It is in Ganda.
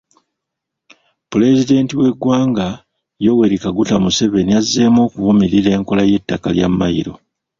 Pulezidenti w’eggwanga, Yoweri Kaguta Museveni azzeemu okuvumirira enkola y’ettaka lya mayiro.